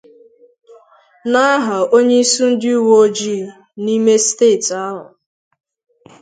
n'aha onyeisi ndị uweojii n'ime steeti ahụ